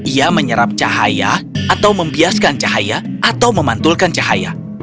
ia menyerap cahaya atau membiaskan cahaya atau memantulkan cahaya